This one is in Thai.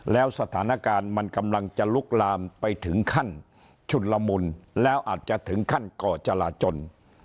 แล้วสถานการณ์มันกำลังจะลุกลามไปถึงขั้นชุนละมุนแล้วอาจจะถึงขั้นก่อจราจน